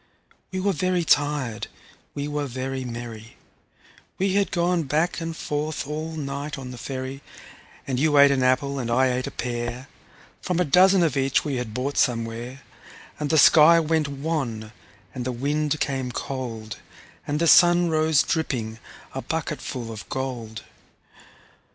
We were very tired, we were very merry We had gone back and forth all night on the ferry, And you ate an apple, and I ate a pear, From a dozen of each we had bought somewhere; And the sky went wan, and the wind came cold, And the sun rose dripping, a bucketful of gold.